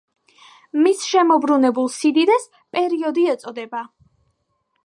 მის შებრუნებულ სიდიდეს პერიოდი ეწოდება.